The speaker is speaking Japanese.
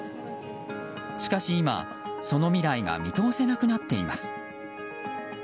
しかし今、その未来が見通せなくなっています。